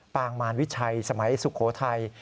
งมารวิชัยสมัยสุโขทัย